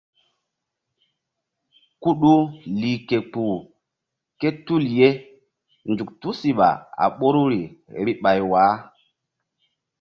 Kuɗu lih ke kpuh ké tul ye zuk tusiɓa a ɓoruri vbi ɓay wah.